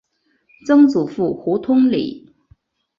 曾祖父胡通礼。